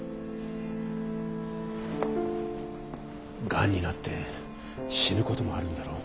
がんになって死ぬこともあるんだろう？